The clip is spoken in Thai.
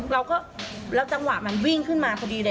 เราก็แล้วจังหวะมันวิ่งขึ้นมาพอดีเลย